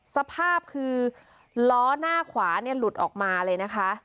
สภาพคือล้อหน้าขวาเนี่ยหลุดออกมาเลยนะคะ